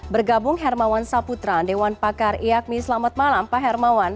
bergabung hermawan saputra dewan pakar iakmi selamat malam pak hermawan